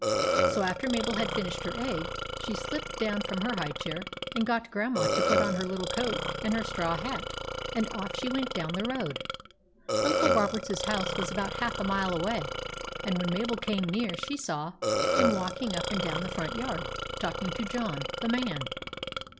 So after Mabel had finished her egg, she slipped down from her high chair and got Grandma to put on her little coat and her straw hat, and off she went down the road. Uncle Robert's house was about half a mile away ; and when Mabel came near she saw 16 THE ADVENTURES OF MABEL him walking up and down the front yard, talking to John the man.